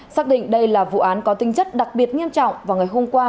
xác định đây là vụ án có tinh chất đặc biệt nghiêm trọng vào ngày hôm qua